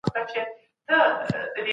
هلته عادل پاچا هغوی ته خوندي پناه ورکړې وه.